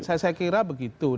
saya kira begitu